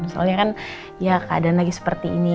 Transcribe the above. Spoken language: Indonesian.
soalnya kan ya keadaan lagi seperti ini